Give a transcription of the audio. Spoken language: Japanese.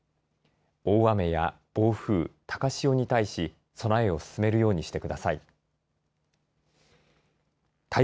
大雨や暴風高潮に対し備えを進めるようにしてください。